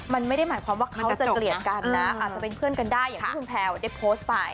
มันไม่ได้หมายความว่าเขาจะเกลียดกันนะอาจจะเป็นเพื่อนกันได้อย่างที่คุณแพลวได้โพสต์ไป